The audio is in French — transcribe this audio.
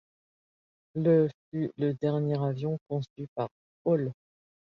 Le fut le dernier avion conçu par Hall.